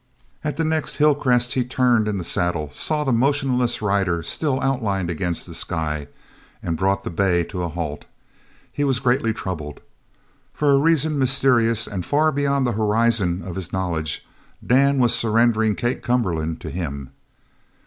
At the next hill crest he turned in the saddle, saw the motionless rider still outlined against the sky, and brought the bay to a halt. He was greatly troubled. For a reason mysterious and far beyond the horizon of his knowledge, Dan was surrendering Kate Cumberland to him.